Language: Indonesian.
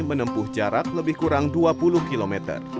menempuh jarak lebih kurang dua puluh km